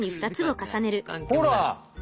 ほら！